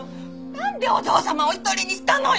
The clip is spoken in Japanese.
なんでお嬢様を一人にしたのよ！